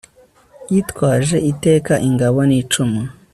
yitwaje iteka ingabo n'icumu